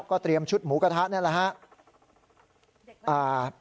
ก็เตรียมชุดหมูกระทะนั่นแหละฮะ